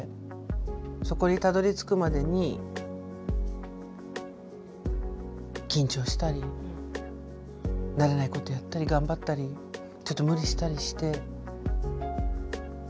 そこにたどりつくまでに緊張したり慣れないことやったり頑張ったりちょっと無理したりして。